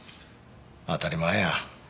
当たり前や。